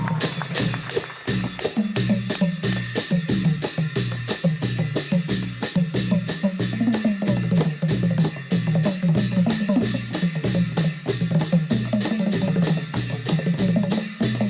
โอ้โฮ